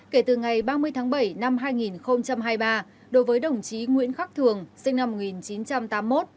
kể từ ngày ba mươi tháng bảy năm hai nghìn hai mươi ba đối với đồng chí nguyễn khắc thường sinh năm một nghìn chín trăm tám mươi một